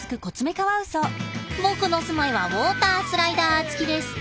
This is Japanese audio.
僕の住まいはウォータースライダーつきです。